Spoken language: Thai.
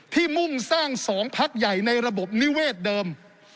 มุ่งสร้าง๒พักใหญ่ในระบบนิเวศเดิม